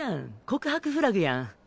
告白フラグやん。